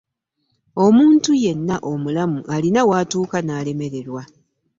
omuntu yenna omulamu alina w'atuuka n'alemererwa.